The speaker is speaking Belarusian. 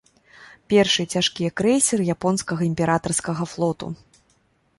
Першыя цяжкія крэйсеры японскага імператарскага флоту.